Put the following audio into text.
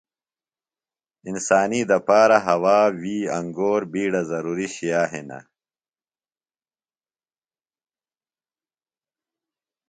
انسانی دپارہ ہوا، وی، انگور بِیڈہ ضروری شئیہ ہِنہ۔